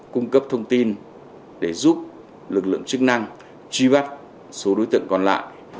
cung cấp thông tin để giúp lực lượng chức năng truy bắt số đối tượng còn lại